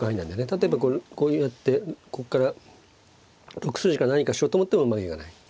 例えばこうやってこっから６筋から何かしようと思ってもうまくいかない。